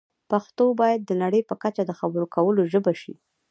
پښتو باید د نړۍ په کچه د خبرو کولو ژبه شي.